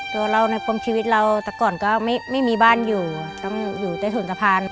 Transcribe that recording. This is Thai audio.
ตัวเราในปมชีวิตเราแต่ก่อนก็ไม่มีบ้านอยู่ต้องอยู่ใต้ถุนสะพาน